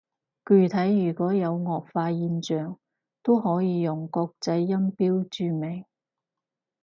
具體如果有顎化現象，都可以用國際音標注明